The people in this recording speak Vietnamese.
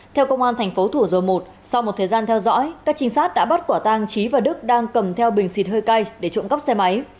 theo công an tp thủ dầu một sau một thời gian theo dõi các trinh sát đã bắt quả tang trí và đức đang cầm theo bình xịt hơi cay để trộm cắp xe máy